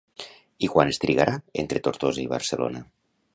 I quant es trigarà entre Tortosa i Barcelona?